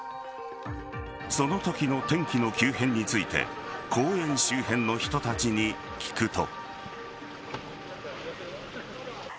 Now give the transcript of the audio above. そのときの天気の急変について公園周辺の人たちに聞くと。